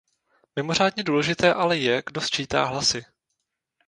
Mimořádně důležité ale je, kdo sčítá hlasy.